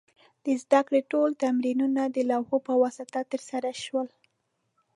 د زده کړې ټول تمرینونه د لوحو په واسطه ترسره شول.